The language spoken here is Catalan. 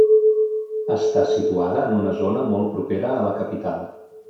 Està situada en una zona molt propera a la capital.